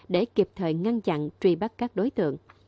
để kịp thời ngăn chặn truy bắt các đối tượng